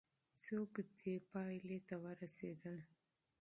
څوک دې نتیجې ته ورسېدل؟